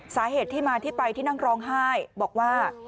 สาเหตุที่มาที่ไปที่นั่งร้องไห้บอกว่า